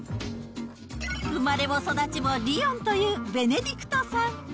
生まれも育ちもリヨンというベネディクトさん。